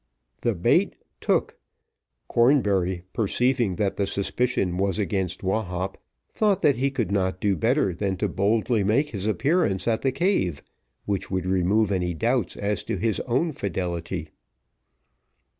The bait took. Cornbury perceiving that the suspicion was against Wahop, thought that he could not do better than to boldly make his appearance at the cave, which would remove any doubts as to his own fidelity.